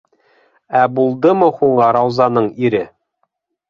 Ә булдымы һуң Раузаның ире?